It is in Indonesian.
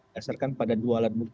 dasarkan pada dua alat bukti